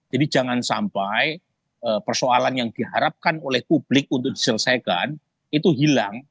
jangan sampai persoalan yang diharapkan oleh publik untuk diselesaikan itu hilang